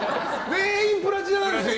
全員プラチナなんですよ